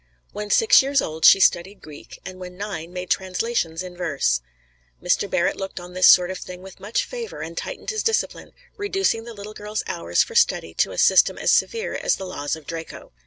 When six years old she studied Greek, and when nine made translations in verse. Mr. Barrett looked on this sort of thing with much favor, and tightened his discipline, reducing the little girl's hours for study to a system as severe as the laws of Draco.